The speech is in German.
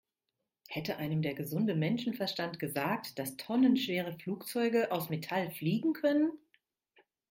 Hätte einem der gesunde Menschenverstand gesagt, dass tonnenschwere Flugzeuge aus Metall fliegen können?